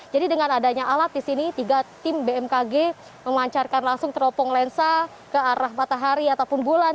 jadi dengan adanya alat di sini tiga tim bmkg memancarkan langsung teropong lensa ke arah matahari ataupun bulan